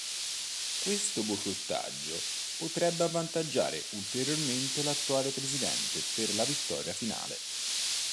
Questo boicottaggio potrebbe avvantaggiare ulteriormente l'attuale presidente per la vittoria finale.